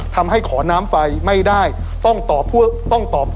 ทำให้ขอน้ำไฟไม่ได้ต้องต่อพ่วง